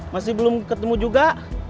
masih belum ketemu juga